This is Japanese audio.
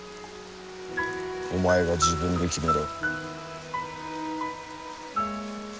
お前が自分で決めろ。